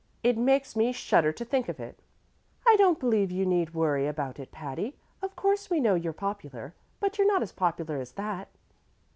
It makes me shudder to think of it!" "I don't believe you need worry about it, Patty; of course we know you're popular, but you're not as popular as that."